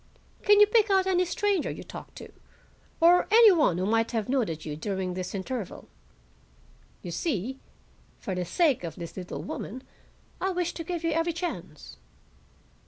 "Can you pick out any stranger you talked to, or any one who might have noted you during this interval? You see, for the sake of this little woman, I wish to give you every chance."